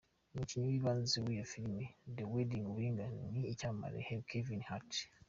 Umukinnyi w’ibanze w’iyo filimi “ The Wedding Ringer” ni icyamamare Kevin Hart.